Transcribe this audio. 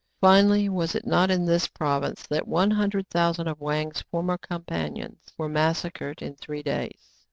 Finally, was it not in this province that one hundred thousand of Wang's former companions were massacred in three days?